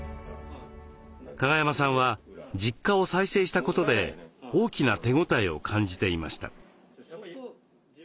加賀山さんは実家を再生したことで大きな手応えを感じていました。